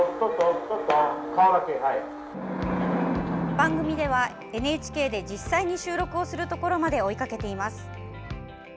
番組では、ＮＨＫで実際に収録をするところまで追いかけています。